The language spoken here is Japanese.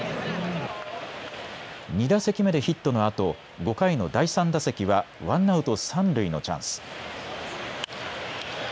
２打席目でヒットのあと５回の第３打席はワンアウト三塁のチャンス。